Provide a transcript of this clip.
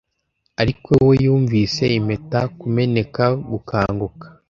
ariko we yumvise impeta kumeneka gukanguka